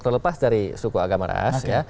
terlepas dari suku agama ras